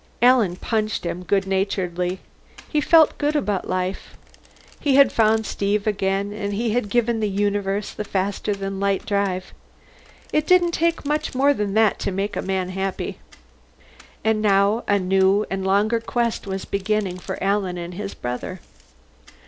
Alan punched him goodnaturedly. He felt good about life. He had found Steve again, and he had given the universe the faster than light drive. It didn't take much more than that to make a man happy. And now a new and longer quest was beginning for Alan and his brother.